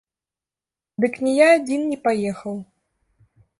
Дык не я адзін не паехаў.